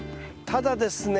ただですね